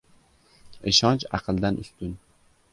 Ishonch aqldan ustun.